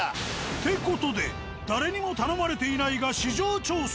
って事で誰にも頼まれていないが市場調査。